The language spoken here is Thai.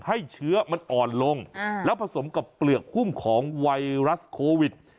ให้เชื้อมันอ่อนลงแล้วผสมกับเปลือกหุ้มของไวรัสโควิด